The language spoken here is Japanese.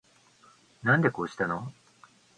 なんでこうしたの